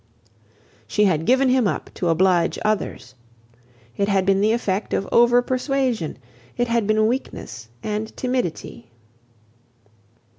She had given him up to oblige others. It had been the effect of over persuasion. It had been weakness and timidity.